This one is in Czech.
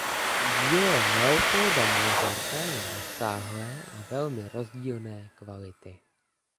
Dílo Leopolda Mozarta je rozsáhlé a velmi rozdílné kvality.